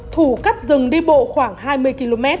thủ cắt rừng đi bộ khoảng hai mươi km